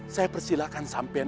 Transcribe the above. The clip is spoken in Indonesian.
saya persilahkan sampian